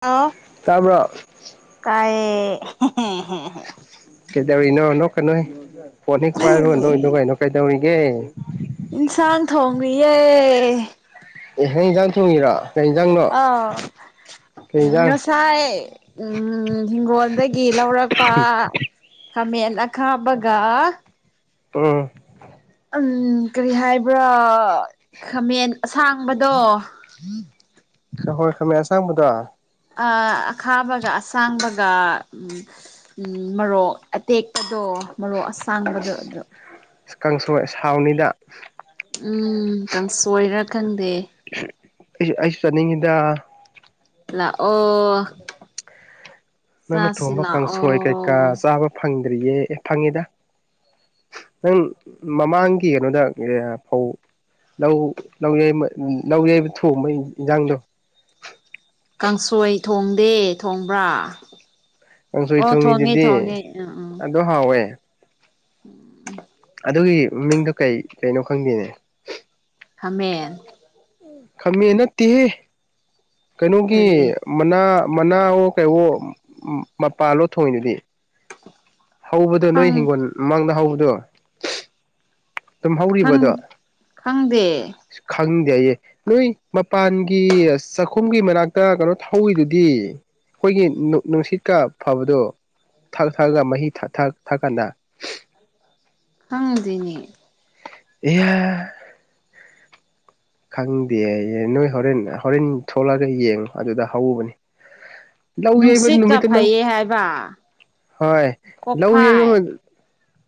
hello ꯇꯥꯕ꯭ꯔꯣ ꯇꯥꯏꯌꯦ ꯀꯩꯗꯧꯔꯤꯅꯣ ꯅꯣꯛꯀꯅꯣꯍꯦ ꯐꯣꯟ ꯍꯦꯛ ꯄꯥꯏꯕꯒ ꯅꯣꯛꯢꯗꯣꯀꯩꯅꯣ ꯀꯩꯗꯧꯔꯤꯒꯦ ꯏꯟꯁꯥꯡ ꯊꯣꯡꯉꯤꯌꯦ ꯑꯦ ꯅꯪ ꯌꯦꯟꯖꯥꯡ ꯊꯣꯡꯉꯔꯥ ꯑ ꯀꯩ ꯏꯟꯖꯥꯡ ꯉꯁꯥꯏ ꯎꯝ ꯍꯤꯡꯒꯣꯜꯗꯒꯤ ꯂꯧꯔꯛꯄ ꯈꯥꯃꯦꯟ ꯑꯈꯥꯕꯒ ꯎꯝ ꯎꯝ ꯀꯔꯤ ꯍꯥꯏꯕ꯭ꯔꯥ ꯈꯥꯃꯦꯟ ꯑꯁꯥꯡꯕꯗꯣ ꯍ ꯍꯣꯏ ꯈꯪꯃꯦꯟ ꯑꯁꯥꯡꯕꯗꯣ ꯑꯈꯥꯕꯒ ꯑꯁꯥꯡꯕꯒ ꯎ ꯃꯔꯣꯛ ꯑꯇꯦꯛꯄꯗꯣ ꯃꯔꯣꯛ ꯑꯁꯥꯡꯕꯗꯣ ꯑꯗꯣ ꯀꯥꯡꯁꯣꯏ ꯁꯥꯎꯅꯤꯗ ꯎꯝ ꯀꯥꯡꯁꯣꯏꯔꯥ ꯈꯪꯗꯦ ꯑꯩ ꯑꯩꯁꯨ ꯆꯠꯅꯤꯡꯉꯤꯗ ꯂꯥꯑꯣ ꯅꯪꯅ ꯊꯣꯡꯕ ꯀꯥꯡꯁꯣꯏ ꯀꯩꯀꯥ ꯂꯥꯛꯑꯣ ꯆꯥꯕ ꯐꯪꯗ꯭ꯔꯤꯌꯦ ꯐꯪꯉꯤꯗ ꯅꯪ ꯃꯃꯥꯡꯒꯤ ꯀꯩꯅꯣꯗ ꯐꯧ ꯂꯧ ꯂꯧ ꯌꯩꯕ ꯂꯧ ꯌꯩꯕ ꯊꯣꯡꯕꯩ ꯏꯟꯖꯥꯡꯗꯣ ꯀꯥꯡꯁꯣꯏ ꯊꯣꯡꯗꯦ ꯊꯣꯡꯕ꯭ꯔꯥ ꯑꯣ ꯊꯣꯡꯉꯦ ꯊꯣꯡꯉꯦ ꯎꯝ ꯎꯝ ꯑꯗꯨ ꯍꯥꯎꯋꯦ [inaudible] ꯑꯗꯨꯒꯤ ꯃꯤꯡꯗꯣ ꯀꯩ ꯀꯩꯅꯣ ꯈꯪꯗꯦꯅꯦ ꯈꯥꯃꯦꯟ ꯈꯝꯃꯦ ꯅꯠꯇꯦꯍꯦ ꯀꯩꯅꯣꯒꯤ ꯀꯔꯤ ꯃꯅꯥ ꯃꯅꯥꯑꯣ ꯀꯩꯋꯣ ꯃꯄꯥꯜꯂꯣ ꯊꯣꯡꯏꯗꯨꯗꯤ ꯍꯧꯕꯗꯣ ꯅꯣꯏ ꯈꯪ ꯍꯤꯡꯒꯣꯜ ꯃꯃꯥꯡꯗ ꯍꯧꯕꯗꯣ ꯇꯨꯝ ꯈꯪ ꯍꯧꯔꯤꯕꯣꯗꯣ ꯈꯪꯗꯦ ꯈꯪꯗꯦ ꯑꯩꯌꯦ ꯅꯣꯏ ꯃꯄꯥꯟꯒꯤ ꯆꯥꯛꯈꯨꯝꯒꯤ ꯃꯅꯥꯛꯇ ꯀꯩꯅꯣ ꯍꯧꯏꯗꯨꯗꯤ ꯑꯩꯈꯣꯏꯒꯤ ꯅꯨꯡꯁꯤꯠꯀ ꯐꯕꯗꯣ ꯊꯛ ꯊꯥꯛꯑꯒ ꯃꯍꯤ ꯊꯛ ꯊꯛ ꯀꯥꯟꯗ [inaudible] ꯈꯪꯗꯤꯅꯦ ꯑꯌꯥ ꯈꯪꯗꯦ ꯍꯥꯌꯦ ꯅꯣꯏ ꯍꯣꯔꯦꯟ ꯍꯣꯔꯦꯟ ꯊꯣꯛꯂꯛꯒ ꯌꯦꯡꯉꯣ ꯑꯗꯨꯗ ꯍꯧꯕꯅꯤ ꯂꯧ ꯌꯩꯕ ꯅꯨꯡꯁꯤꯠꯀ ꯅꯨꯃꯤꯠꯇ ꯅꯪ ꯐꯩꯌꯦ ꯍꯥꯏꯕ ꯍꯣꯏ ꯂꯧ ꯌꯩꯕ ꯀꯣꯛꯐꯥꯏ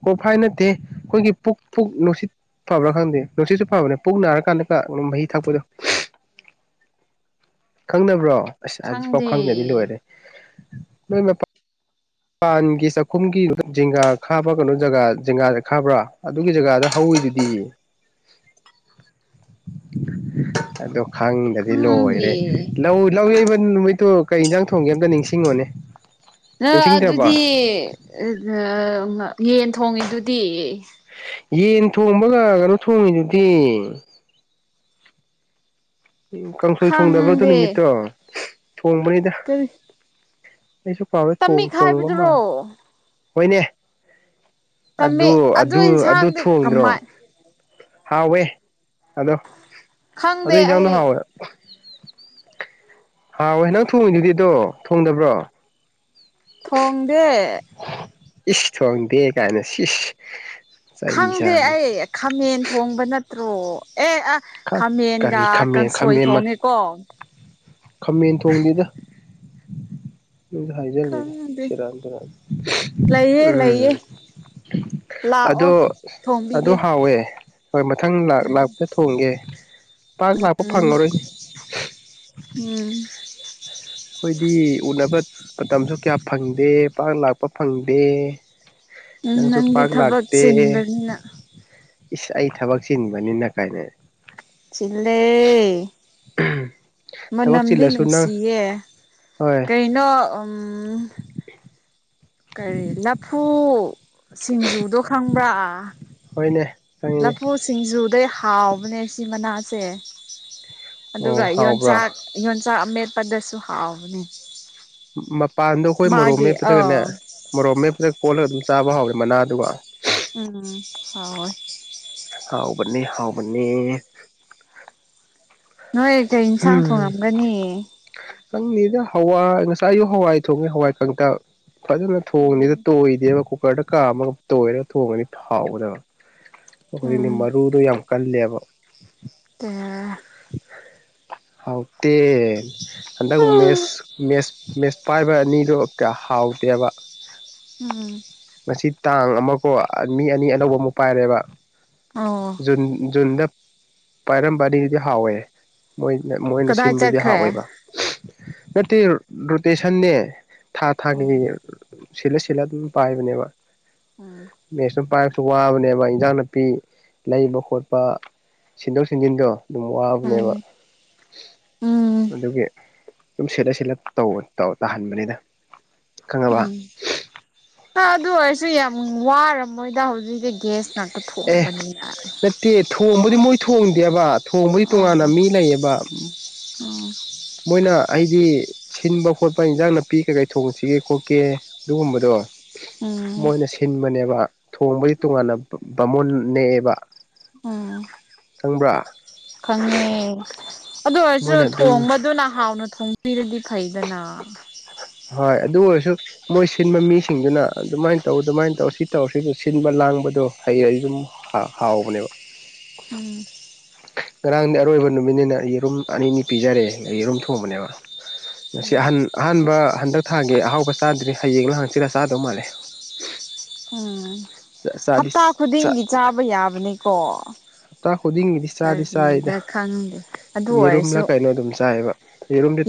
ꯀꯣꯐꯥꯏ ꯅꯠꯇꯦ ꯑꯩꯈꯣꯏꯒꯤ ꯄꯨꯛ ꯄꯨꯛ ꯅꯨꯡꯁꯤꯠ ꯐꯕ꯭ꯔꯥ ꯈꯪꯗꯦ ꯅꯨꯡꯁꯤꯁꯨ ꯐꯕꯅꯦ ꯄꯨꯛ ꯅꯥꯔ ꯀꯥꯟꯗ ꯇꯥ ꯃꯍꯤ ꯊꯛꯄꯗꯣ ꯈꯪꯅꯕ꯭ꯔꯣ ꯑꯁ ꯑꯁꯤꯄꯥꯎ ꯈꯪꯗꯦ ꯈꯪꯗꯗꯤ ꯂꯣꯏꯔꯦ ꯅꯣꯏ ꯃꯇ ꯄꯥꯟꯒꯤ ꯆꯥꯛꯈꯨꯝꯒꯤ ꯖꯤꯡꯒꯥ ꯈꯥꯕ ꯀꯩꯅꯣ ꯖꯤꯡꯒꯥ ꯖꯤꯡꯒꯥꯗ ꯈꯪꯕ꯭ꯔꯥ ꯑꯗꯨꯒꯤ ꯖꯒꯥꯗ ꯍꯧꯏꯗꯨꯗꯤ ꯄꯤ [inaudible] ꯑꯗꯣ ꯈꯪꯗꯗꯤ ꯈꯪꯗꯦ ꯂꯣꯏꯔꯦ ꯂꯧ ꯂꯧ ꯌꯩꯕ ꯅꯨꯃꯤꯠꯇꯨ ꯀꯩ ꯏꯟꯖꯥꯡ ꯊꯣꯡꯒꯦ ꯑꯝꯇ ꯅꯤꯡꯁꯤꯡꯉꯣꯅꯦ ꯅꯪ ꯅꯤꯡꯁꯤꯡꯗ꯭ꯔꯕꯣ ꯑꯗꯨꯗꯤ ꯑꯥ ꯌꯦꯟ ꯊꯣꯡꯉꯤꯗꯨꯗꯤ ꯌꯦꯟ ꯊꯣꯡꯕꯒ ꯀꯩꯅꯨ ꯊꯣꯡꯉꯤꯗꯨꯗꯤ ꯀꯥꯡꯁꯣꯏ ꯊꯣꯡꯗꯕ꯭ꯔ ꯑꯗꯨ ꯈꯪꯗꯦ ꯅꯨꯃꯤꯠꯇꯣ ꯊꯣꯡꯕꯅꯤꯗ [inaudible] ꯑꯩꯁꯨ ꯀꯥꯎꯏ ꯊꯣꯡ ꯇꯝꯃꯤꯛ ꯊꯣꯡꯕ ꯍꯥꯏꯕꯗꯨꯔꯣ ꯃꯥꯜꯂꯤ ꯍꯣꯏꯅꯦ ꯑꯗꯨ ꯇꯝꯃꯤꯛ ꯑꯗꯨ ꯑꯗꯨ ꯏꯟꯁꯥꯡꯗꯤ ꯊꯣꯡꯗ꯭ꯔꯣ ꯀꯃꯥꯏ ꯍꯥꯎꯋꯦ ꯑꯗꯣ ꯈꯪꯗꯦ ꯑꯗꯨ ꯏꯟꯖꯥꯡꯗꯣ ꯑꯩ ꯍꯥꯎꯋꯦ ꯍꯥꯎ ꯑꯦ ꯅꯪ ꯊꯣꯡꯉꯤꯗꯨꯗꯤ ꯑꯗꯣ ꯊꯣꯡꯗꯕ꯭ꯔꯣ ꯊꯣꯡꯗꯦ ꯏꯁ ꯊꯣꯡꯗꯦ ꯀꯥꯏꯅ ꯁꯤꯁ ꯆꯩ ꯈꯪꯗꯦ ꯆꯥꯅꯤ ꯑꯩ ꯈꯥꯃꯦꯟ ꯊꯣꯡꯕ ꯅꯠꯇ꯭ꯔꯣ ꯑꯦ ꯑꯥ ꯈꯥꯃꯦꯟꯒ ꯀꯔꯤ ꯈꯥꯃꯦꯟ ꯀꯥꯡꯁꯣꯏ ꯈꯥꯃꯦꯟ ꯊꯣꯡꯉꯦꯀꯣ ꯈꯥꯃꯦꯟ ꯑꯗꯨꯁꯨ ꯍꯥꯏꯖꯂꯤ ꯈꯪꯗꯦ ꯁꯦꯔꯥꯟ ꯇꯨꯔꯥꯟ ꯂꯩꯌꯦ ꯎꯝ ꯂꯩꯌꯦ ꯂꯥꯛꯑꯣ ꯑꯗꯣ ꯑꯗꯨ ꯊꯣꯡꯕꯤꯒꯦ ꯍꯥꯎꯋꯦ ꯍꯣꯏ ꯃꯊꯪ ꯂꯥꯛ ꯎꯝ ꯂꯥꯛꯄ ꯊꯣꯡꯒꯦ ꯄꯥꯛ ꯂꯥꯛꯄ ꯎꯝ ꯐꯪꯉꯔꯣꯏ ꯎꯝ ꯑꯩꯈꯣꯏꯗꯤ ꯎꯅꯕ ꯃꯇꯝꯁꯨ ꯀꯌꯥ ꯐꯪꯗꯦ ꯄꯥꯛ ꯂꯥꯛꯄ ꯐꯪꯗꯦ ꯎꯝ ꯅꯪꯁꯨ ꯅꯪꯗꯤ ꯄꯥꯛ ꯊꯕꯛ ꯂꯥꯛꯇꯦ [unintelligible] ꯏꯁ ꯑꯩ ꯊꯕꯛ ꯆꯤꯟꯕꯅꯤꯅ ꯀꯥꯏꯅ ꯆꯤꯟꯂꯦ ꯊꯕꯛ ꯃꯅꯝꯗꯤ ꯆꯤꯜꯂꯁꯨ ꯅꯪ ꯅꯨꯡꯁꯤꯌꯦ ꯍꯣꯏ ꯀꯩ ꯅ‌ꯣ ꯎꯝ [inaudible] ꯀꯔꯤ ꯂꯐꯨ ꯁꯤꯡꯖꯨꯗꯣ ꯈꯪꯕ꯭ꯔꯥ ꯍ‌ꯣꯏꯅꯦ ꯂꯐꯨ ꯁꯤꯡꯖꯨꯗ ꯍꯥꯎꯕꯅꯦ ꯁꯤ ꯃꯅꯥꯁꯦ ꯑꯗꯨꯒ ꯑꯣ ꯍꯥꯎꯕ꯭ꯔꯣ ꯌꯣꯟꯆꯥꯛ ꯌꯣꯟꯆꯥꯛ ꯑꯃꯦꯠꯄꯗꯁꯨ ꯍꯥꯎꯕꯅ‌ꯦ ꯃꯄꯥꯟꯗꯣ ꯑꯩꯈꯣꯏ ꯃꯣꯔ‌ꯣꯛ ꯃꯦꯞꯄꯗꯒꯅꯦ ꯃꯣꯔ‌ꯣꯛ ꯃꯦꯞꯄꯗ ꯀꯣꯜꯂꯒ ꯑꯗꯨꯝ ꯆꯥꯕ ꯍꯥꯎꯋꯦ ꯃꯅꯥꯗꯨꯒ ꯎꯝ ꯍꯥꯎꯌ‌ꯦ ꯍꯥꯎꯕꯅ‌ꯦ ꯍꯥꯎꯕꯅ‌ꯦ ꯅꯣꯏ ꯀꯩ ꯏꯟꯁꯥꯡ ꯊꯣꯡꯉꯝꯒꯅꯤ ꯈꯪꯗ‌ꯦꯗ ꯍꯋꯥꯏ ꯉꯁꯥꯏꯁꯨ ꯍꯋꯥꯏ ꯊꯣꯡꯉꯦ ꯍꯋꯥꯏ ꯀꯪꯇꯛ ꯐꯖꯅ ꯊꯣꯡꯉꯤꯗ ꯎꯝ ꯇꯣꯏꯗꯦꯕ ꯀ‌ꯣ ꯀꯨꯀꯔꯗ ꯀꯥꯝꯃꯒ ꯇꯣꯏꯔꯒ ꯊꯣꯡꯉꯗꯤ ꯍꯥꯎꯒꯗꯕ ꯑꯩꯈ‌ꯣꯏꯗꯤ ꯎꯝ ꯃꯔꯨ ‌ꯗ‌ꯣ ꯌꯥꯝ ꯀꯜꯂꯦꯕ [unintelligible] ꯍꯥꯎꯇꯦ ꯍꯟꯗꯛ ꯃꯦꯁ ꯃꯦꯁ ꯃꯦꯁ ꯄꯥꯏꯕ ꯑꯅꯤꯗ‌ꯣ ꯀꯌꯥ ꯍꯥꯎꯇ‌ꯦꯕ ꯎꯝ ꯉꯁꯤ ꯇꯥꯡ ꯑꯃꯀꯣ ꯃꯤ ꯑꯅꯤ ꯑꯅꯧꯕ ꯑꯃꯨꯛ ꯄꯥꯏꯔꯦꯕ ꯑꯣ ꯖꯨꯟ ꯖꯨꯟꯗ ꯄꯥꯏꯔꯝꯕ ꯑꯅꯤꯗꯨꯗꯤ ꯍꯥꯎꯋꯦ ꯃꯣꯏꯅ ꯃꯣꯏꯅ ꯀꯗꯥꯏ ꯁꯤꯟꯕꯁꯤꯗꯤ ꯆꯠꯈ꯭ꯔꯦ ꯍꯥꯎꯋꯦꯕ ꯅꯠꯇꯦ ꯔꯣꯇꯦꯁꯟꯅꯦ ꯊꯥ ꯊꯥꯒꯤ ꯑꯣ ꯁꯤꯜꯂ ꯁꯤꯜꯂ ꯑꯗꯨꯝ ꯄꯥꯏꯕꯅꯦꯕ ꯎꯝ ꯃꯦꯛꯁꯅ ꯄꯥꯏꯕꯁ‌ꯦ ꯋꯥꯕꯅꯦꯕ ꯏꯟꯖꯥꯡ ꯅꯥꯄꯤ ꯂꯩꯕ ꯈꯣꯠꯄ ꯁꯤꯟꯗꯣꯛ ꯁꯤꯟꯖꯤꯟꯗꯣ ꯑꯗꯨꯝ ꯋꯥꯕꯅꯦꯕ ꯎꯝ ꯎꯝ ꯑꯗꯨꯒꯤ ꯁꯨꯝ ꯁꯦꯜꯂ ꯁꯦꯜꯂ ꯇꯧ ꯇꯥꯍꯟꯕꯅꯤꯗ ꯈꯪꯉꯕ ꯎꯝ ꯅꯪ ꯑꯗꯨ ꯑꯣꯏꯔꯁꯨ ꯌꯥꯝ ꯋꯥꯔꯝꯃꯣꯏꯗ ꯍꯧꯖꯤꯛꯇꯤ ꯒ꯭ꯌꯥꯁꯅ ꯅ ꯊꯣꯡꯕꯅꯤꯅ ꯗꯦ ꯊꯣꯡꯕꯗꯤ ꯃꯣꯏ ꯊꯣꯡꯗꯦꯕ ꯊꯣꯡꯕꯩ ꯇꯣꯉꯥꯟꯅ ꯃꯤ ꯂꯩꯌꯦꯕ ꯑꯣ ꯃꯣꯏꯅ ꯍꯥꯏꯗꯤ ꯁꯤꯟꯕ ꯈꯣꯠꯄ ꯏꯟꯖꯥꯡ ꯅꯥꯄꯤ ꯀꯩ ꯀꯩ ꯊꯣꯡꯁꯤꯒꯦ ꯈꯣꯠꯀꯦ ꯑꯗꯨꯒꯨꯝꯕꯗꯣ ꯎꯝ ꯃꯣꯏꯅ ꯁꯤꯟꯕꯅꯦꯕ ꯊꯣꯡꯕꯩꯗꯤ ꯇꯣꯉꯥꯟꯅ ꯕꯥꯃꯣꯟ ꯅꯦꯛꯑꯦꯕ ꯎꯝ ꯈꯪꯕ꯭ꯔꯥ ꯈꯪꯉꯦ ꯑꯗꯨ ꯑꯣꯏꯔꯁꯨ ꯃꯣꯏꯅ ꯑꯗꯨꯝ ꯊꯣꯡꯕꯗꯨꯅ ꯍꯥꯎꯅ ꯊꯣꯡ ꯕꯤꯔꯗꯤ ꯐꯩꯗꯅ ꯍꯣꯏ ꯑꯗꯨ ꯑꯣꯏꯔꯁꯨ ꯃꯣꯏ ꯁꯤꯟꯕ ꯃꯤꯁꯤꯡꯗꯨꯅ ꯑꯗꯨꯃꯥꯏꯅ ꯇꯧ ꯑꯗꯨꯃꯥꯏꯅ ꯇꯧ ꯁꯤ ꯇꯧꯔꯁꯤ ꯁꯤꯟꯕ ꯂꯥꯡꯕꯗꯣ ꯍꯩꯔꯗꯤ ꯑꯗꯨꯝ ꯍꯥ ꯍꯥꯎꯕꯅꯦꯕ ꯎꯝ ꯉꯔꯥꯡꯗꯤ ꯑꯔꯣꯏꯕ ꯅꯨꯃꯤꯠꯅꯤꯅ ꯌꯦꯔꯨꯝ ꯑꯅꯤꯅꯤ ꯄꯤꯖꯔꯦ ꯌꯦꯔꯨꯝ ꯊꯣꯡꯕꯅꯦꯕ ꯉꯁꯤ ꯎꯝ ꯑꯍꯟ ꯑꯍꯥꯟꯕ ꯍꯟꯗꯛ ꯊꯥꯒꯤ ꯑꯍꯥꯎꯕ ꯆꯥꯗ꯭ꯔꯤ ꯍꯌꯦꯡꯔ ꯍꯪꯆꯤꯠꯂ ꯆꯥꯗꯧ ꯃꯥꯜꯂꯦ ꯎꯝ ꯆꯥꯗꯤ ꯍꯞꯇꯥ ꯈꯨꯗꯤꯡꯒꯤ ꯆꯥꯛ ꯆꯥꯕ ꯌꯥꯕꯅꯤꯀꯣ ꯈꯨꯗꯤꯡꯒꯤꯗꯤ ꯆꯥꯗꯤ ꯆꯥꯏꯗ ꯀꯔꯤꯔꯥ ꯈꯪꯗꯦ ꯑꯗꯨ ꯑꯣꯏꯔꯁꯨ ꯌꯦꯔꯨꯝꯂ ꯀꯩꯅꯣ ꯑꯗꯨꯝ ꯆꯥꯏꯌꯦꯕ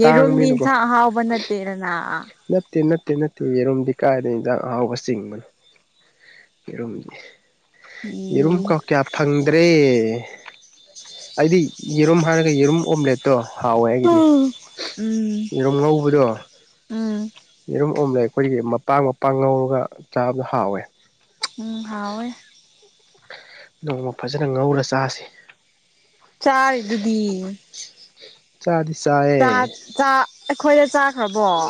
ꯌꯦꯔꯨꯝꯗꯤ ꯏꯟꯁꯥꯡ ꯑꯍꯥꯎꯕ ꯅꯠꯇꯦꯗꯅ ꯅꯠꯇꯦ ꯅꯠꯇꯦ ꯅꯠꯇꯦ ꯌꯦꯔꯨꯝꯗꯤ ꯀꯥꯏꯗꯩ ꯏꯟꯖꯥꯡ ꯑꯍꯥꯎꯕ ꯆꯤꯡꯕꯅ‌ꯣ ꯌ‌ꯦꯔꯨꯝꯗꯤ ꯎꯝ ꯌ‌ꯦꯔꯨꯝ ꯀꯥ ꯀꯌꯥ ꯐꯪꯗ꯭ꯔꯦ ꯑꯩꯗꯤ ꯌꯦꯔꯨꯝ ꯍꯥꯏꯔꯒ ꯌꯦꯔꯨꯝ ꯑꯣꯝꯂꯦꯠꯇꯣ ꯍꯥꯎꯋꯦ ꯑꯩꯒꯤꯗꯤ ꯎꯝ ꯎꯝ ꯌꯦꯔꯨꯝ ꯉꯧꯕꯗꯣ ꯎꯝ ꯌꯦꯔꯨꯝ ꯑꯣꯝꯂ‌ꯦꯠ ꯑꯩꯈꯣꯏꯒꯤ ꯃꯄꯥꯡ ꯃꯄꯥꯡ ꯉꯧꯔꯒ ꯆꯥꯕꯗ‌ꯣ ꯍꯥꯎꯋꯦ ꯎꯝ ꯍꯥꯎꯋ‌ꯦ ꯅꯣꯡꯃ ꯐꯖꯅ ꯉꯧꯔ ꯆꯥꯁꯤ ꯆꯥꯔꯤꯗꯨꯗꯤ ꯆꯥꯗꯤ ꯆꯥꯏꯌꯦ ꯆ ꯆ ꯑꯈꯣꯏꯗ ꯆꯥꯛ ꯕ‌ꯣ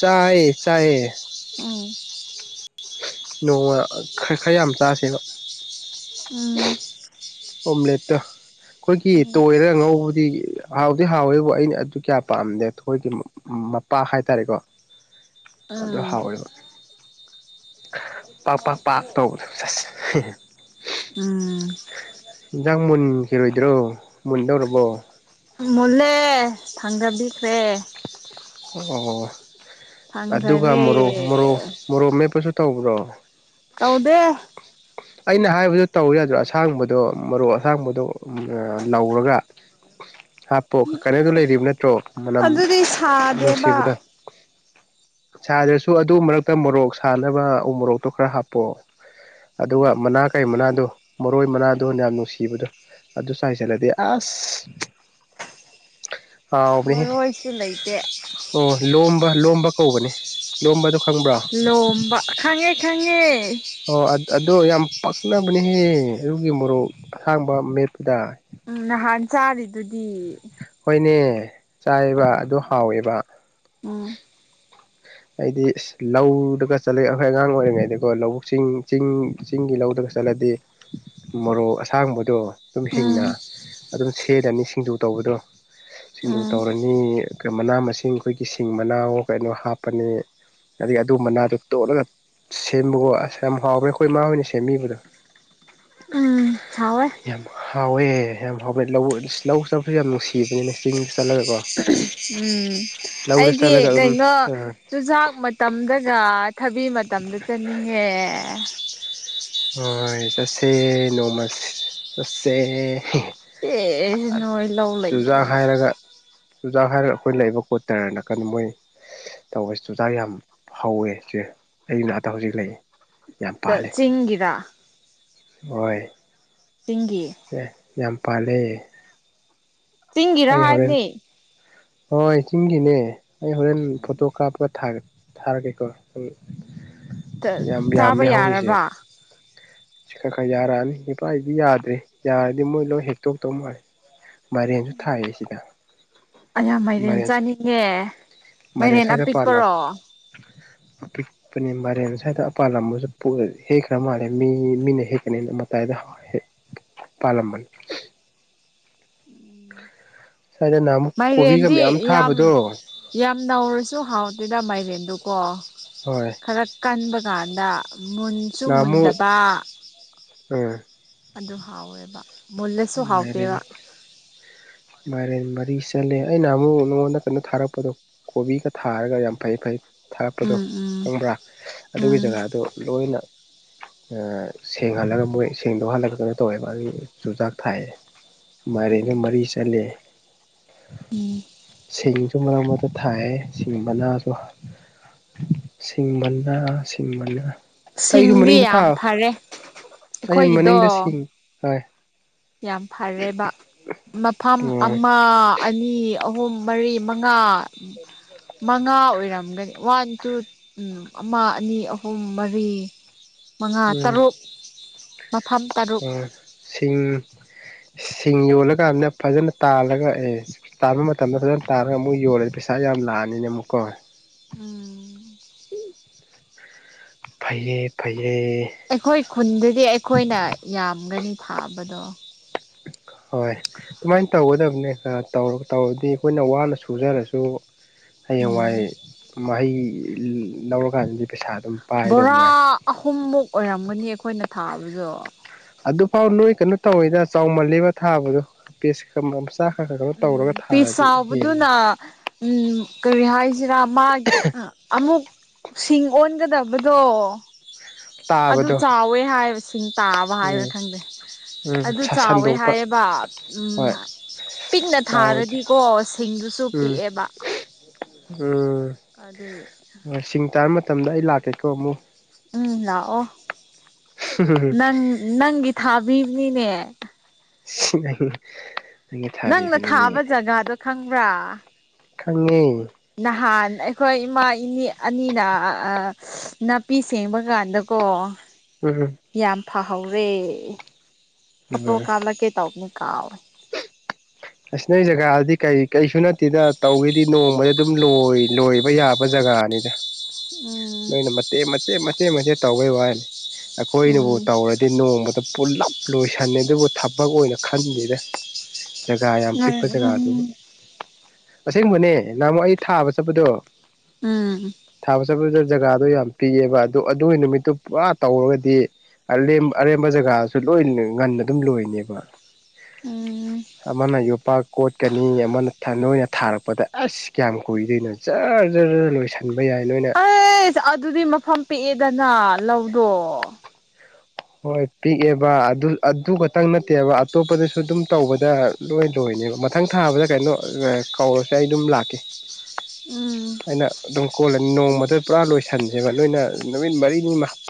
ꯆꯥꯏꯌꯦ ꯆꯥꯏꯌꯦ [unintelligible] ꯎꯝ ꯅꯣꯡꯃ ꯈꯔ ꯈꯔ ꯌꯥꯝ ꯆꯥꯁꯦꯕ ꯎꯝ ꯑꯣꯝꯂꯦꯠꯇ‌ꯣ ꯑꯩꯈꯣꯏꯒꯤ ꯇꯣꯏꯔ ꯉꯧꯕꯗꯤ ꯍꯥꯎꯗꯤ ꯍꯥꯎꯋꯦꯕꯨ ꯑꯩꯅ ꯑꯗꯨ ꯀꯌꯥ ꯄꯥꯝꯗꯦ ꯊ‌ꯣꯏꯒꯤ ꯃꯄꯥ ꯍꯥꯏꯇꯥꯔꯦꯀꯣ ꯑꯗꯨ ꯎꯝ ꯍꯥꯎꯋꯦꯕ ꯄꯥꯛ ꯄꯥꯛ ꯄꯥꯛ ꯇꯧꯕꯗꯣ ꯎꯝ ꯏꯟꯖꯥꯡ ꯃꯨꯟꯈꯤꯔꯣꯏꯗ꯭ꯔꯣ ꯃꯨꯟꯗꯧꯔꯕꯣ ꯃꯨꯜꯂꯦ ꯊꯥꯡꯗꯕꯤꯈ꯭ꯔꯦ ꯑꯣ ꯑꯗꯨꯒ ꯊꯥꯡꯗꯔꯦ ꯃꯣꯔꯣꯛ ꯃꯣꯔꯣꯛ ꯃꯣꯔꯣꯛ ꯃꯦꯞꯄꯁꯨ ꯇꯧꯕ꯭ꯔꯣ ꯇꯧꯗꯦ ꯑꯩꯅ ꯍꯥꯏꯕꯗꯨ ꯇꯧꯔꯝꯦ ꯑꯁꯥꯡꯕꯗꯣ ꯃꯔꯣꯛ ꯑꯁꯥꯡꯕꯗꯣ ꯂꯧꯔꯒ ꯍꯥꯞꯄꯣ ꯀꯩꯅꯣꯗꯣ ꯂꯩꯔꯤꯕ ꯅꯠꯇ꯭ꯔꯣ ꯃꯅꯝ ꯑꯗꯨꯗꯤ ꯁꯥꯗꯦꯕ ꯅꯨꯡꯁꯤꯕꯗ‌ꯣ ꯁꯥꯗ꯭ꯔꯁꯨ ꯑꯗꯨ ꯃꯔꯛꯇ ꯃꯣꯔꯣꯛ ꯁꯥꯅꯕ ꯎ ꯃꯣꯔꯣꯛꯇꯣ ꯈꯔ ꯍꯥꯞꯄ‌ꯣ ꯑꯗꯨꯒ ꯎꯝ ꯃꯅꯥ ꯀꯔꯤ ꯃꯅꯥꯗꯣ ꯃꯔꯣꯏ ꯃꯅꯥꯗꯣ ꯌꯥꯝ ꯅꯨꯡꯁꯤꯕꯗꯣ ꯑꯗꯨ ꯆꯥꯏꯁꯤꯜꯂꯗꯤ ꯑꯁ ꯍꯥꯎꯕꯅꯦꯍꯦ ꯃꯔꯣꯏꯁꯨ ꯂꯩꯇꯦ ꯑꯣ ꯂꯣꯝꯕ ꯂꯣꯝꯕ ꯀꯧꯕꯅꯦ ꯂꯣꯝꯕꯗꯣ ꯈꯪꯕ꯭ꯔꯣ ꯂꯣꯝꯕ ꯈꯪꯉꯦ ꯈꯪꯉꯦ ꯑꯣ ꯑꯗꯣ ꯌꯥꯝ ꯄꯛꯅꯕꯅꯦꯍꯦ ꯑꯗꯨꯨꯒꯤ ꯃꯣꯔꯣꯛ ꯑꯁꯥꯡꯕ ꯃꯦꯠꯄꯗ ꯎꯝ ꯅꯍꯥꯟ ꯆꯥꯔꯤꯗꯨꯗꯤ ꯍꯣꯏꯅꯦ ꯆꯥꯏꯕ ꯑꯗꯨ ꯍꯥꯎꯋꯦꯕ ꯎꯝ ꯑꯩꯗꯤ ꯂꯧꯗꯒ ꯆꯠꯂ‌ꯦ ꯑꯩꯈꯣꯏ ꯑꯉꯥꯡ ꯑꯣꯏꯔꯤꯉꯩꯗꯀꯣ ꯂꯧꯕꯨꯛ ꯆꯤꯡ ꯆꯤꯡ ꯆꯤꯡꯒꯤ ꯂꯧꯗꯒ ꯆꯠꯂꯗꯤ [unintelligible] ꯃꯣꯔꯣꯛ ꯑꯁꯥꯡꯕꯗꯣ ꯑꯗꯨꯝ ꯎꯝ ꯎꯝ ꯍꯤꯡꯅ ꯑꯗꯨꯝ ꯁꯦꯠꯂꯅꯤ ꯁꯤꯡꯖꯨ ꯇꯧꯕꯗꯣ ꯁꯤꯡꯖꯨ ꯎꯝ ꯇꯧꯔ ꯅꯤ ꯀꯩ ꯃꯅꯥ ꯃꯁꯤꯡ ꯑꯩꯈꯣꯏꯒꯤ ꯁꯤꯡ ꯃꯅꯥꯋ‌ꯣ ꯀꯩꯅꯣ ꯍꯥꯞꯄꯅꯤ ꯑꯗꯒꯤ ꯑꯗꯨ ꯃꯅꯥꯗ‌ꯣ ꯇꯣꯠꯂꯒ ꯁꯦꯝꯕꯒꯣ ꯑꯁ ꯌꯥꯝ ꯍꯥꯎꯕꯅ‌ꯦ ꯑꯩꯈꯣꯏ ꯏꯃꯥ ꯍꯣꯏꯅ ꯁꯦꯝꯕꯤꯕꯗꯣ ꯎꯝ ꯊꯥꯎꯋꯦ ꯌꯥꯝ ꯍꯥꯎꯋꯦ ꯌꯥꯝ ꯍꯥꯎꯕꯅ ꯂꯧ ꯏꯁ ꯂꯧ ꯆꯠꯄꯁꯨ ꯌꯥꯝ ꯅꯨꯡꯁꯤꯕꯅꯤꯅ‌ꯦ ꯆꯤꯡꯗ ꯆꯠꯂꯒ ꯀꯣ ꯎꯝ ꯂꯧꯗ ꯑꯩꯗꯤ ꯑꯗꯨꯝ ꯀꯩꯅꯣ ꯆꯨꯖꯥꯛ ꯃꯇꯝꯗꯒ ꯊꯕꯤ ꯃꯇꯝꯗ ꯆꯠꯅꯤꯡꯉꯦ ꯍꯣꯏ ꯆꯠꯁꯦ ꯅꯣꯡꯃ ꯆꯠꯁꯦ ꯑꯦ ꯅꯣꯏ ꯂꯧ ꯆꯨꯖꯥꯛ ꯂꯩꯗ꯭ꯔꯒ ꯍꯥꯏꯔꯒ ꯆꯨꯖꯥꯛ ꯍꯥꯏꯔꯒ ꯑꯩꯈꯣꯏ ꯂꯩꯕ ꯀꯣꯠꯇꯔ ꯅꯥꯀꯥꯟꯗ ꯃꯣꯏ ꯇꯧꯕꯁꯤ ꯆꯨꯆꯥꯛ ꯌꯥꯝ ꯍꯧꯋꯦ ꯍꯧꯖꯤꯛꯁꯦ ꯑꯩꯒꯤ ꯑꯥꯛꯗ ꯍꯧꯖꯤꯛ ꯂꯩ ꯆꯤꯒꯤꯔ ꯍꯣꯏ ꯆꯤꯡꯒꯤ ꯑꯦ ꯌꯥꯝ ꯄꯥꯜꯂꯌꯦ ꯆꯤꯡꯒꯤꯔꯥ ꯍꯥꯏꯕꯅꯦ ꯍꯣꯏ ꯆꯤꯡꯒꯤꯅꯦ ꯑꯩ ꯍꯣꯔꯦꯟ ꯐꯣꯇꯣ ꯀꯥꯞꯄꯒ ꯊꯥꯔꯛꯒꯦꯀꯣ ꯎꯝ ꯌꯥꯝ ꯆꯥꯕ ꯌꯥꯝꯃꯦ ꯍꯧꯔꯤꯁꯦ ꯌꯥꯔꯕ ꯁꯤ ꯈꯔ ꯈꯔ ꯌꯥꯔꯛꯑꯅꯤ ꯏꯄꯥꯥꯒꯤꯗꯤ ꯌꯥꯗ꯭ꯔꯦ ꯌꯥꯔꯗꯤ ꯃꯣꯏ ꯂꯣꯏ ꯍꯦꯛꯇꯣꯛꯇꯧ ꯃꯥꯂꯦ ꯃꯥ ꯊꯥꯏꯌꯦ ꯁꯤꯗ ꯑꯩꯅ ꯃꯥꯏꯔꯦꯟ ꯃꯥꯏꯔꯦꯟꯁꯦ ꯆꯥꯅꯤꯡꯉꯦ ꯃꯥꯏꯔꯦꯟ ꯑꯄꯤꯛꯄꯔꯣ ꯑꯄꯤꯛꯕ ꯃꯥꯏꯔꯦꯟ ꯑꯥꯁ꯭ꯋꯥꯏꯗ ꯄꯥꯜꯂꯝꯕꯁꯨ ꯍꯦꯛꯈ꯭ꯔ ꯃꯥꯜꯂꯦ ꯃꯤ ꯃꯤꯅ ꯍꯦꯛꯀꯅꯤꯅ ꯃꯇꯥꯏꯗ [inaudible] ꯄꯥꯜꯂꯝꯕꯅꯦ ꯎꯝ ꯁꯥꯏꯗ ꯅꯍꯥꯟꯃꯨꯛ ꯀꯣꯕꯤꯒ ꯃꯌꯥꯝ ꯌꯥꯝ ꯊꯥꯕꯗꯣ ꯌꯥꯝ ꯅꯧꯔꯁꯨ ꯍꯥꯎꯗꯣꯏꯗ ꯃꯥꯏꯔꯦꯟꯗꯨꯀꯣ ꯍꯣꯏ ꯈꯔ ꯀꯟꯕ ꯀꯥꯟꯗ ꯃꯨꯟꯁꯨ ꯅꯍꯥꯟꯃꯨꯛ ꯃꯨꯟꯗꯕ ꯎꯝ ꯑꯗꯨ ꯍꯥꯎꯋꯦꯕ ꯃꯨꯜꯂꯁꯨ ꯃꯥꯏꯔꯦꯟ ꯍꯥꯎꯇꯦꯕ ꯃꯥꯏꯔꯦꯟ ꯃꯔꯤ ꯆꯠꯂꯦ ꯑꯩꯅ ꯑꯃꯨꯛ ꯅꯉꯣꯟꯗ ꯀꯩꯅꯣ ꯊꯥꯔꯛꯄꯗꯣ ꯀꯣꯕꯤꯒ ꯊꯥꯔꯒ ꯌꯥꯝ ꯐꯩ ꯐꯩ ꯊꯥꯔꯛꯄꯗꯣ ꯎꯝ ꯎꯝ ꯈꯪꯕ꯭ꯔꯥ ꯑꯗꯨꯒꯤ ꯎꯝ ꯖꯒꯥꯗꯨ ꯂꯣꯏꯅ ꯁꯦꯡ ꯍꯜꯂꯒ ꯃꯣꯏ ꯁꯦꯡꯗꯣꯛ ꯍꯜꯂꯒ ꯀꯩꯅꯣ ꯇꯧꯋꯦꯕ ꯑꯗꯨꯒꯤ ꯆꯨꯖꯥꯛ ꯐꯥꯏ ꯃꯦꯏꯔꯦꯟ ꯃꯔꯤ ꯆꯠꯂꯦ ꯎꯝ ꯁꯤꯡꯁꯨ ꯃꯔꯛ ꯃꯔꯛꯇ ꯊꯥꯏꯌꯦ ꯁꯤꯡ ꯃꯅꯥꯁꯨ ꯁꯤꯡꯕꯅ ꯁꯤꯡꯕꯅ ꯑꯩꯁꯨ ꯁꯤꯡꯗꯤ ꯃꯅꯤꯡꯗ ꯊꯥ ꯌꯥꯝ ꯐꯔꯦ ꯑꯩꯒꯤ ꯃꯅꯤꯡꯗ ꯑꯩꯈꯣꯏꯒꯤꯗꯣ ꯁꯤꯡ ꯍꯣꯏ ꯌꯥꯝ ꯐꯔꯦꯕ ꯃꯐꯝ ꯎꯝ ꯑꯃ ꯑꯅꯤ ꯑꯍꯨꯝ ꯃꯔꯤ ꯃꯉꯥ ꯃꯉꯥ ꯑꯣꯏꯔꯝꯒꯅꯤ ꯋꯥꯟ ꯇꯨ ꯎꯝ ꯑꯃ ꯑꯅꯤ ꯑꯍꯨꯝ ꯃꯔꯤ ꯃꯉꯥ ꯎꯝ ꯇꯔꯨꯛ ꯃꯐꯝ ꯇꯔꯨꯛ ꯎꯝ ꯁꯤꯡ ꯁꯤꯡ ꯌꯣꯜꯂꯀꯥꯟꯗ ꯐꯖꯅ ꯇꯥꯜꯂꯒ ꯑꯦ ꯇꯥꯟꯕ ꯃꯇꯝꯗ ꯐꯖꯅ ꯇꯥꯜꯂꯒ ꯑꯃꯨꯛ ꯌꯣꯜꯂꯗꯤ ꯄꯩꯁꯥ ꯌꯥꯝ ꯂꯥꯛꯑꯅꯤꯅ ꯑꯃꯨꯛꯀꯣ ꯎꯝ ꯐꯩꯌꯦ ꯐꯩꯌꯦ ꯑꯩꯈꯣꯏ ꯈꯨꯟꯗꯗꯤ ꯑꯩꯈꯣꯏꯅ ꯌꯥꯝꯒꯅꯤ ꯊꯥꯕꯗꯣ ꯍꯣꯏ ꯑꯗꯨꯃꯥꯏꯅ ꯇꯧꯒꯗꯕꯅꯦ ꯈꯔ ꯇꯧꯔꯗꯤ ꯑꯩꯈꯣꯏꯅ ꯋꯥꯅ ꯁꯨꯖꯔꯁꯨ ꯍꯌꯦꯡꯋꯥꯏ ꯎꯝ ꯃꯍꯩ ꯂꯧꯔꯀꯥꯟꯗꯗꯤ ꯄꯩꯁꯥ ꯑꯗꯨꯝ ꯄꯥꯏꯗꯧ ꯕꯣꯔꯥ ꯃꯉꯥꯏ ꯑꯍꯨꯝꯃꯨꯛ ꯑꯣꯏꯔꯝꯒꯅꯤ ꯑꯩꯈꯣꯏꯅ ꯊꯥꯕꯗꯣ ꯑꯗꯨꯐꯥꯎ ꯅꯣꯏ ꯀꯩꯅꯣ ꯇꯧꯏꯗ ꯆꯥꯎꯃꯜꯂꯤꯕ ꯊꯥꯕꯗꯣ ꯄꯤꯁ ꯃꯆꯥ ꯈꯔ ꯈꯔ ꯇꯧꯔꯒ ꯎꯝ ꯄꯤꯁ ꯊꯥꯔꯗꯤ ꯍꯦꯂꯦ ꯆꯥꯎꯕꯗꯨꯅ ꯎꯝ ꯀꯔꯤ ꯍꯥꯏꯁꯤꯔ ꯃꯥꯒꯤ ꯑꯃꯨꯛ ꯁꯤꯡ ꯑꯣꯟꯒꯗꯕꯗꯣ ꯑꯗꯨ ꯇꯥꯕꯗꯣ ꯆꯥꯎꯋꯦ ꯍꯥꯏꯕꯁꯦ ꯏꯁꯤꯡ ꯇꯥꯕ ꯍꯥꯏꯔꯥ ꯎꯝ ꯈꯪꯗꯦ ꯎꯝ ꯑꯗꯨ ꯆꯥꯎꯋꯦ ꯁꯟꯗꯣꯛꯄ ꯍꯥꯏꯌꯦꯕ ꯍꯣꯏ ꯄꯤꯛꯅ ꯆꯥꯎꯔꯗꯤ ꯊꯥꯔꯗꯤꯀꯣ ꯁꯤꯡꯗꯨꯁꯨ ꯎꯝ ꯄꯤꯛꯑꯦꯕ ꯑꯗꯨꯒꯤ ꯎꯝ ꯁꯤꯡ ꯇꯥꯕ ꯃꯇꯝꯗ ꯑꯩ ꯂꯥꯛꯀꯦꯀꯣ ꯑꯃꯨꯛ ꯎꯝ ꯂꯥꯛꯑꯣ ꯅꯪ ꯅꯪꯒꯤ ꯊꯥꯕꯤꯕꯅꯤꯅꯦ [inaudible] ꯅꯪꯅ ꯊꯥꯕ ꯊꯥꯕꯤꯕꯅꯤꯅꯦ ꯖꯒꯥꯗꯣ ꯈꯪꯕ꯭ꯔꯥ ꯈꯪꯉꯤ ꯅꯍꯥꯟ ꯑꯩꯈꯣꯏ ꯏꯃꯥ ꯏꯅꯦ ꯑꯅꯤꯅ ꯑ ꯅꯥꯄꯤ ꯁꯦꯡꯕ ꯀꯥꯟꯗꯀꯣ ꯎꯝ ꯌꯥꯝ ꯐꯍꯧꯔꯦ ꯐꯣꯇꯣ ꯎꯝ ꯀꯥꯞꯂꯛꯀꯦ ꯇꯧꯕꯅꯤ ꯀꯥꯎꯋꯦ ꯑꯁ ꯅꯣꯏ ꯖꯒꯥꯗꯤ ꯀꯩ ꯀꯩꯁꯨ ꯅꯠꯇꯦꯗ ꯇꯧꯒꯦꯗꯤ ꯅꯣꯡꯃꯗ ꯑꯗꯨꯝ ꯂꯣꯏ ꯂꯣꯏꯕ ꯌꯥꯕ ꯖꯒꯥꯅꯤꯗ ꯎꯝ ꯅꯣꯏꯅ ꯃꯇꯦꯛ ꯃꯆꯦꯠ ꯃꯆꯦꯠ ꯃꯆꯦꯠ ꯇꯧꯕꯩ ꯋꯥꯅꯤ ꯑꯩꯈꯣꯏꯅꯕꯨ ꯎꯝ ꯇꯧꯔꯗꯤ ꯅꯣꯡꯃꯗ ꯄꯨꯜꯂꯞ ꯂꯣꯏꯁꯟꯂꯦ ꯑꯗꯨꯕꯨ ꯊꯕꯛ ꯑꯣꯏꯅ ꯈꯟꯗꯦꯗ ꯖꯒꯥ ꯌꯥꯝ ꯄꯤꯛꯄ ꯎꯝ ꯖꯒꯥꯗꯨ ꯑꯁꯦꯡꯕꯅꯦ ꯅꯍꯥꯟꯃꯨꯛ ꯑꯩ ꯊꯥꯕ ꯆꯠꯄꯗꯣ ꯎꯝ ꯊꯥꯕ ꯆꯠꯄꯗꯨꯗ ꯖꯒꯥꯗꯣ ꯌꯥꯝ ꯄꯤꯛꯑꯦꯕ ꯑꯗꯨ ꯑꯗꯨꯒꯤ ꯅꯨꯃꯤꯠꯇꯨ ꯄꯨꯔꯥ ꯇꯧꯔꯒꯗꯤ ꯑꯔꯦꯝ ꯑꯔꯦꯝꯕ ꯖꯒꯥꯁꯨ ꯂꯣꯏ ꯉꯟꯅ ꯑꯗꯨꯝ ꯂꯣꯏꯅꯦꯕ ꯎꯝ ꯑꯃꯅ ꯌꯣꯄꯥꯛ ꯀꯣꯠꯀꯅꯤ ꯑꯃꯅ ꯅꯣꯏꯅ ꯊꯥꯔꯛꯄꯗ ꯑꯁ ꯀꯌꯥꯝ ꯀꯨꯏꯗꯣꯏꯅꯣ ꯖꯔ ꯖꯔ ꯖꯔ ꯂꯣꯏꯁꯤꯟꯕ ꯌꯥꯏ ꯅꯣꯏꯅ ꯑꯩꯁ ꯑꯗꯨꯗꯤ ꯃꯐꯝ ꯄꯤꯛꯑꯦꯗꯅ ꯂꯧꯗꯣ ꯍꯣꯏ ꯄꯤꯛꯑꯦꯕ ꯑꯗꯨ ꯑꯗꯨ ꯈꯛꯇꯪ ꯅꯠꯇꯦꯕ ꯑꯇꯣꯞꯄꯗꯁꯨ ꯑꯗꯨꯝ ꯇꯧꯕꯗ ꯂꯣꯏ ꯂꯣꯏꯅꯦꯕ ꯃꯊꯪ ꯊꯥꯕꯗ ꯀꯩꯅꯣ ꯀꯧꯔꯁꯦ ꯑꯩ ꯑꯗꯨꯝ ꯂꯥꯛꯀꯦ ꯎꯝ ꯍꯥꯏꯅ ꯑꯗꯨꯝ ꯀꯣꯜꯂꯅꯤ ꯅꯣꯡꯃꯗ ꯄꯨꯔꯥ ꯂꯣꯏꯁꯟꯁꯦꯕ ꯅꯣꯏꯅ ꯅꯨꯃꯤꯠ ꯃꯔꯤꯅꯤ